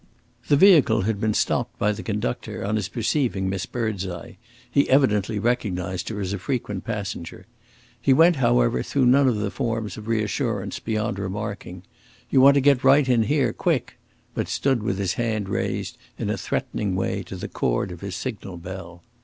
The vehicle had been stopped by the conductor, on his perceiving Miss Birdseye; he evidently recognised her as a frequent passenger. He went, however, through none of the forms of reassurance beyond remarking, "You want to get right in here quick," but stood with his hand raised, in a threatening way, to the cord of his signal bell.